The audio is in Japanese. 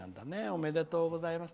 おめでとうございます。